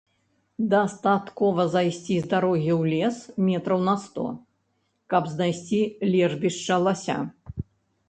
Дастаткова зайсці з дарогі ў лес метраў на сто, каб знайсці лежбішча лася.